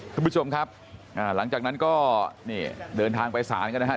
คุณผู้ชมครับหลังจากนั้นก็นี่เดินทางไปศาลกันนะครับ